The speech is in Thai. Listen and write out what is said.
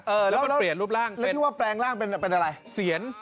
เออแล้วแล้วแล้วเปลี่ยนรูปร่างแล้วที่ว่าแปลงร่างเป็นเป็นอะไร